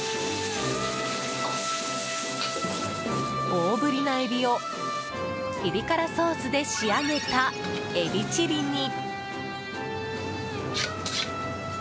大ぶりなエビを、ピリ辛ソースで仕上げたエビチリに。